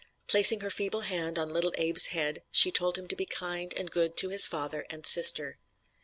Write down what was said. Placing her feeble hand on little Abe's head, she told him to be kind and good to his father and sister.